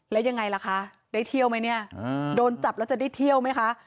แล้วยังไงล่ะคะได้เที่ยวไหมเนี่ยโดนจับแล้วจะได้เที่ยวไหมคะ